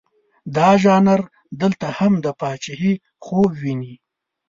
دا ژانر دلته هم د پاچهي خوب ویني.